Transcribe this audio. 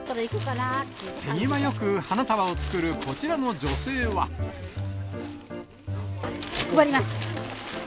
手際よく花束を作るこちらの配ります。